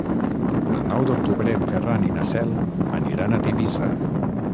El nou d'octubre en Ferran i na Cel aniran a Tivissa.